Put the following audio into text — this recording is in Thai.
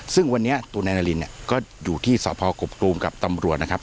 ซึ่งวันนี้ตัวนายนารินเนี่ยก็อยู่ที่สพกกตูมกับตำรวจนะครับ